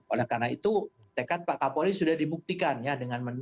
oleh karena itu tekad pak kapolri sudah dibuktikan ya dengan